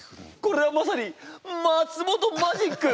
これはまさに松本マジック！